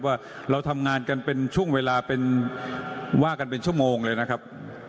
ว่าเราทำงานกันเป็นช่วงเวลาเป็นว่ากันเป็นชั่วโมงเลยนะครับ